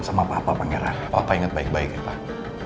sama papa pangeran papa inget baik baik ya pak